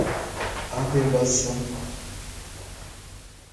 averbação